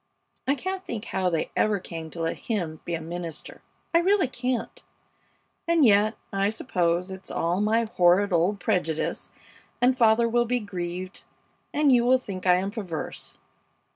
I can't think how they ever came to let him be a minister I really can't! And yet, I suppose it's all my horrid old prejudice, and father will be grieved and you will think I am perverse.